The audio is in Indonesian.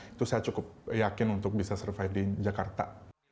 itu saya cukup yakin untuk bisa survive di jakarta